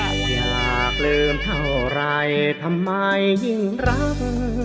ไม่อยากลืมเท่าไรทำไมยิ่งรัก